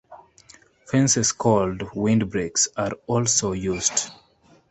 Fences called "windbreaks" are also used.